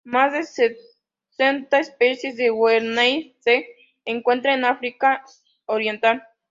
Más de sesenta especies de "Huernia"s se encuentran en África oriental.